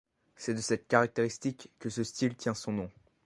C'est de cette caractéristique que ce style tient son nom.